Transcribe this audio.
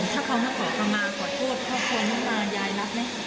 ถ้าเขาไม่ขอกรรมมาขอโทษพ่อควรมายายรับไหม